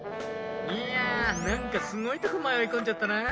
いやなんかすごいとこまよいこんじゃったな。